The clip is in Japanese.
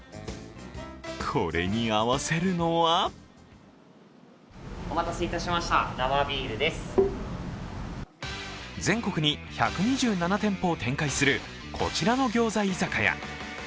これに合わせるのは全国に１２７店舗を展開するこちらの餃子居酒屋。